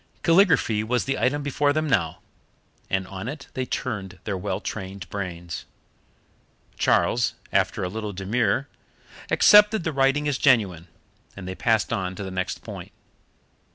Calligraphy was the item before them now, and on it they turned their well trained brains. Charles, after a little demur, accepted the writing as genuine, and they passed on to the next point.